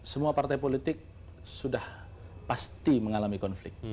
semua partai politik sudah pasti mengalami konflik